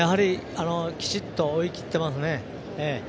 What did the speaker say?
きちっと追い切ってますね。